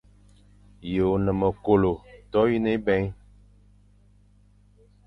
Ye one me kôlo toyine ébèign.